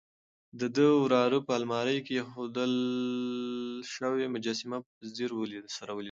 د ده وراره په المارۍ کې اېښودل شوې مجسمه په ځیر سره ولیده.